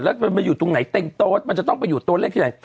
แล้วมันมาอยู่ตรงไหนเต็งโต๊ดมันจะต้องไปอยู่โต๊ะเลขที่ไหน